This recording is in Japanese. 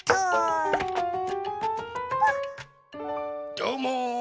どうも！